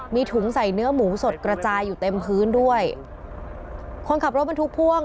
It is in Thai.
มีถุงใส่เนื้อหมูสดกระจายอยู่เต็มพื้นด้วยคนขับรถบรรทุกพ่วง